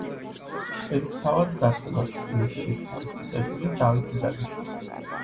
ერისთავად დათუნა ქსნის ერისთავის ბიძაშვილი დავითი დანიშნა.